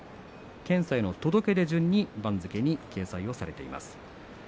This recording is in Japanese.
検査の届け出順で番付に掲載されています。